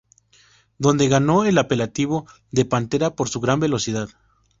Donde ganó el apelativo de "Pantera" por su gran velocidad.